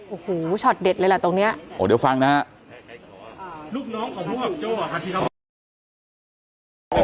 โอ้โหชอตเด็ดเลยแหละตรงเนี้ยโอ้เดี๋ยวฟังนะฮะลูกน้องของพวกโจ้ค่ะที่เขา